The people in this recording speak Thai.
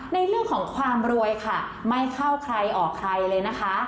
ในเรื่องของความรวยค่ะไม่เข้าใครออกใครเลยนะคะ